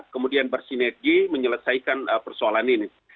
kemudian bersinergi menyelesaikan persoalan ini